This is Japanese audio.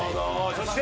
そして。